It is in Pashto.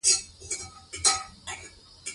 او نازنين يې پلار د اوولکو په مقابل کې ورکړه .